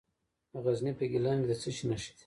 د غزني په ګیلان کې د څه شي نښې دي؟